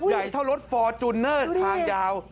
ใหญ่เท่ารถฟอร์จูเนอร์ทางยาว